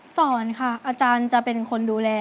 สอนค่ะอาจารย์จะเป็นคนดูแล